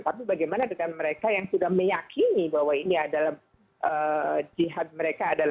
tapi bagaimana dengan mereka yang sudah meyakini bahwa ini adalah jihad mereka adalah